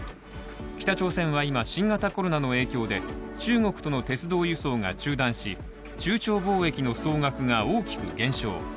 北朝鮮は今、新型コロナの影響で中国との鉄道輸送が中断し中朝貿易の総額が大きく減少。